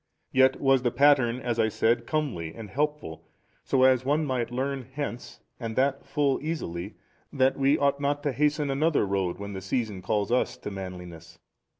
Yet was the pattern (as I said) comely and helpful, so as one might learn hence, and that full easily, that we ought not to hasten another road, when the season calls us to manliness.